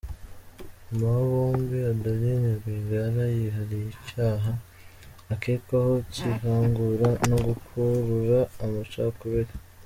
Mama wa bo bombi, Adeline Rwigara, yihariye icyaha akekwaho cy’ivangura no gukurura amacakubiri”.